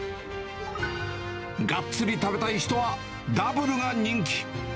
がっつり食べたい人はダブルが人気。